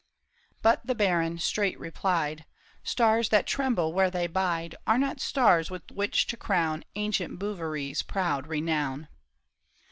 But the baron straight replied, " Stars that tremble where they bide Are not stars with which to crown Ancient Bouverie's proud renown."